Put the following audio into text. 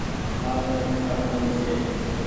مآ ڪني پئيسا ڪونيٚ ڇي۔